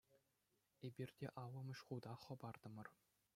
Эпир те аллӑмӗш хута хӑпартӑмӑр.